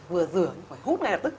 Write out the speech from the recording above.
vừa rửa phải hút ngay lập tức